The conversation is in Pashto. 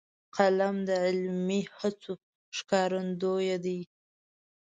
قلم د علمي هڅو ښکارندوی دی